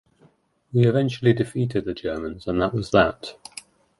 We eventually defeated the Germans and that was that.